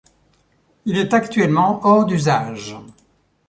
Il est actuellement hors d'usage.